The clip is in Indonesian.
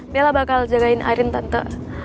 bella bakal jagain arin tante